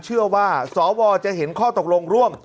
เชื่อว่าสวจะเห็นข้อตกลงร่วม